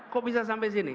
kok bisa sampai sini